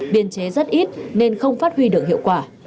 biên chế rất ít nên không phát huy được hiệu quả